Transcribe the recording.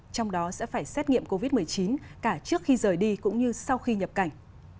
trong đó sẽ phải xét nghiệm covid một mươi chín cả trước khi rời đi cũng như sau khi nhập cảnh